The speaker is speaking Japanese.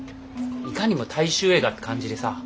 いかにも大衆映画って感じでさ。